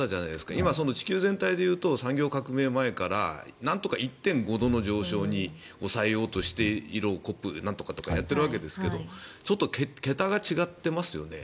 今、地球全体で言うと産業革命前からなんとか１．５度の上昇に抑えようとしているＣＯＰとかなんとかやっているわけですがちょっと桁が違ってますよね。